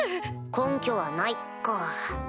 「根拠はない」か。